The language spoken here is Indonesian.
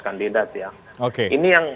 kandidat ya ini yang